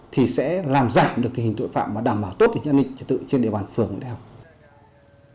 thì sẽ làm giảm được hình tội phạm và đảm bảo tốt hình an ninh trật tự trên địa bàn phường nguyễn thái học